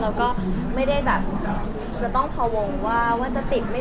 เราไม่ต้องการหนามวัวว่าจะติดหรือไม่